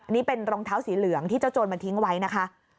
นี่เป็นรองเท้าสีเหลืองที่เจ้าโจรมันทิ้งไว้นะคะ